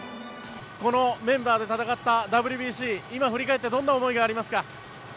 このメンバーで戦ったＷＢＣ、今振り返ってどんな思いがありますか？